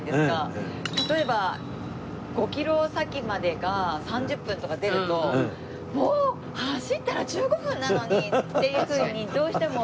例えば５キロ先までが３０分とか出るともう走ったら１５分なのに！っていうふうにどうしても。